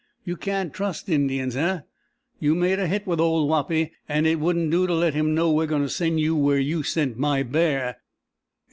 You can't trust Indians, eh? You made a hit with old Wapi, and it wouldn't do to let him know we're going to send you where you sent my bear.